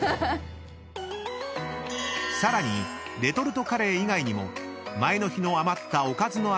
［さらにレトルトカレー以外にも前の日の］